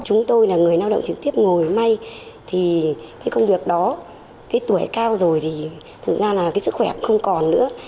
chúng tôi là người lao động trực tiếp ngồi may thì cái công việc đó cái tuổi cao rồi thì thực ra là cái sức khỏe không còn nữa